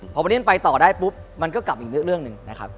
พอวันนี้มันไปต่อได้ปุ๊บมันก็กลับอีกเรื่องหนึ่งนะครับ